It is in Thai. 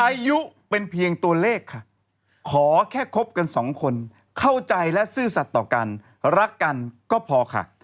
อายุเป็นเพียงตัวเลขค่ะขอแค่คบกันสองคนเข้าใจและซื่อสัตว์ต่อกันรักกันก็พอค่ะ